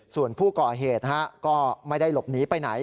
ส่วนผู้ก่อเหตุก็ไม่ได้หลบหนีไปไหน